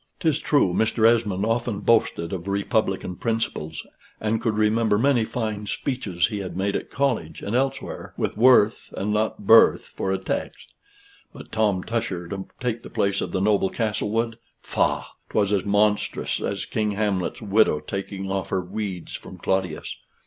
'Tis true Mr. Esmond often boasted of republican principles, and could remember many fine speeches he had made at college and elsewhere, with WORTH and not BIRTH for a text: but Tom Tusher to take the place of the noble Castlewood faugh! 'twas as monstrous as King Hamlet's widow taking off her weeds for Claudius.